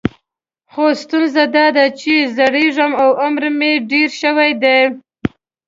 خو ستونزه دا ده چې زړیږم او عمر مې ډېر شوی دی.